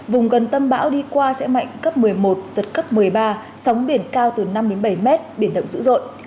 vùng gần tâm bão đi qua sẽ mạnh cấp một mươi một giật cấp một mươi ba sóng biển cao từ năm bảy m biển động dữ dội